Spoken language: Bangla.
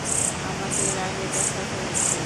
আমাদের আগে দেখা হয়েছে।